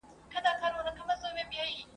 د رښتينوالي او خير ښېګڼي